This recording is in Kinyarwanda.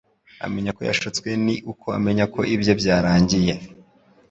amenya ko yashutswe ni uko amenya ko ibye byarangiye.